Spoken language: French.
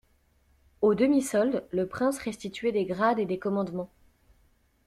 Aux demi-soldes, le prince restituait des grades et des commandements.